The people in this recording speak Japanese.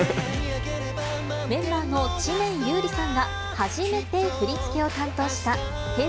メンバーの知念侑李さんが初めて振り付けを担当した、Ｈｅｙ！